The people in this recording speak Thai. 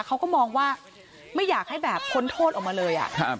เขาก็มองว่าไม่อยากให้แบบพ้นโทษออกมาเลย